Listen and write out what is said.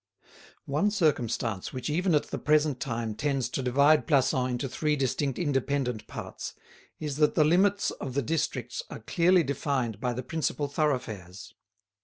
One circumstance which even at the present time tends to divide Plassans into three distinct independent parts is that the limits of the districts are clearly defined by the principal thoroughfares.